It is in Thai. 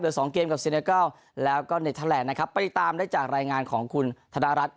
เดี๋ยวสองเกมกับซีเนเกลแล้วก็เน็ตแทรกนะครับติดตามได้จากรายงานของคุณธนรัฐ